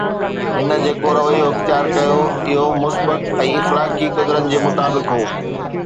هن جيڪو رويو اختيار ڪيو اهو مثبت ۽ اخلاقي قدرن جي مطابق هو.